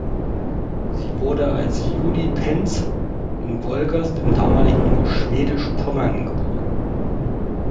Sie wurde als Julie Penz in Wolgast im damaligen Schwedisch-Pommern geboren.